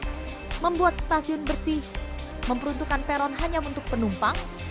sistem e ticketing membuat stasiun bersih memperuntukkan peron hanya untuk penumpang